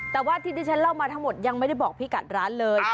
แต่ว่าที่ที่ฉันเล่ามาทั้งหมดยังไม่ได้บอกพี่กัดร้านเลย